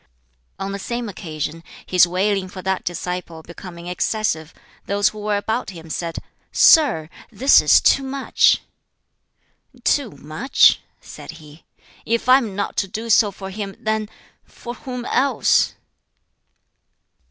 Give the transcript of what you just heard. On the same occasion, his wailing for that disciple becoming excessive, those who were about him said, "Sir, this is too much!" "Too much?" said he; "if I am not to do so for him, then for whom else?"